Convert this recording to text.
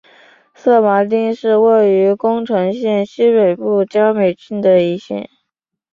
色麻町是位于宫城县西北部加美郡的一町。